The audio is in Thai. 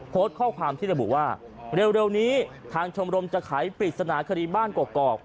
โพสต์ข้อความที่ระบุว่าเร็วนี้ทางชมรมจะไขปริศนาคดีบ้านกอก